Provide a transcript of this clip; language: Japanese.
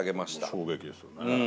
衝撃ですよね。